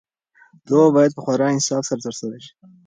لوبه باید په خورا انصاف سره ترسره شي.